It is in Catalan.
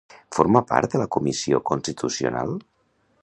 Forma part de la Comissió Constitucional?